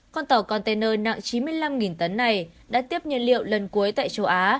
con tàu container nặng chín mươi năm tấn này đã tiếp nhiên liệu lần cuối tại châu á